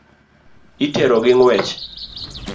Itero gi ng'wech.